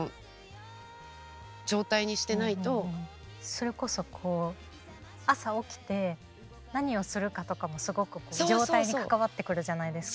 それこそこう朝起きて何をするかとかもすごく状態に関わってくるじゃないですか。